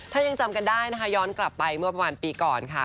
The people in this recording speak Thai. ถ้ายังจำกันได้นะคะย้อนกลับไปเมื่อประมาณปีก่อนค่ะ